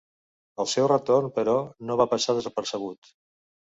El seu retorn, però, no va passar desapercebut.